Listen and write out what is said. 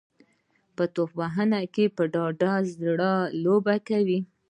توپ وهونکي په ډاډه زړه لوبه کوي.